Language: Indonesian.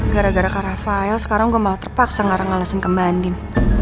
gara gara kara fail sekarang gue malah terpaksa ngareng alasan kembanin